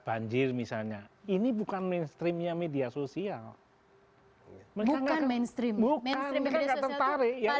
banjir misalnya ini bukan mainstream media sosial bukan mainstream bukan tertarik ya